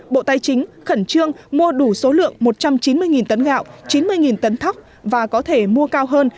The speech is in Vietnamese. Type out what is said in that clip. bộ tài chính khẩn trương mua đủ số lượng một trăm chín mươi tấn gạo chín mươi tấn thóc và có thể mua cao hơn